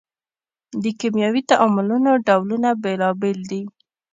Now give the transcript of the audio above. د کیمیاوي تعاملونو ډولونه بیلابیل دي.